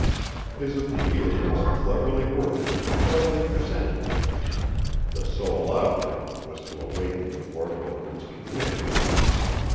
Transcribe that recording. His appeal was cleverly worded, cleverly presented. The sole object was to awaken the poor boatman's cupidity.